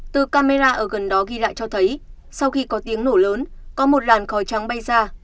từ camera ở gần đó ghi lại cho thấy sau khi có tiếng nổ lớn có một làn khói trắng bay ra